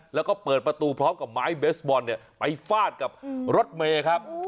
แล้วก็เปิดประตูพร้อมกับไม้เบสบอลเนี่ยไปฟาดกับรถเมย์ครับ